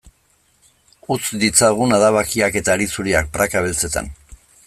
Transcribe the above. Utz ditzagun adabakiak eta hari zuriak praka beltzetan.